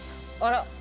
あら。